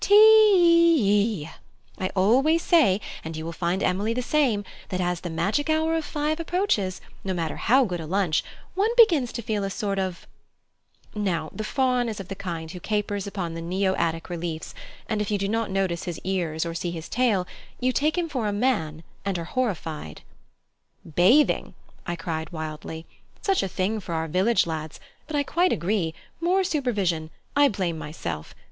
Tea ee ee! I always say and you will find Emily the same that as the magic hour of five approaches, no matter how good a lunch, one begins to feel a sort of " Now the Faun is of the kind who capers upon the Neo Attic reliefs, and if you do not notice his ears or see his tail, you take him for a man and are horrified. "Bathing!" I cried wildly. "Such a thing for our village lads, but I quite agree more supervision I blame myself.